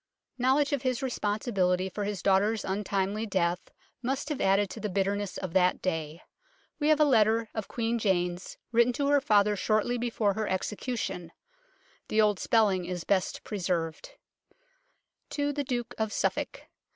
Knowledge of his responsibility for his daughter's untimely death must have added to the bitter ness of that day. We have a letter of Queen Jane's written to her father shortly before her execution ; the old spelling is best preserved :" To the Duke of Suffolk.